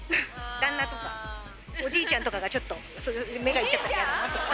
旦那とか、おじいちゃんとかがちょっと目がいっちゃったり。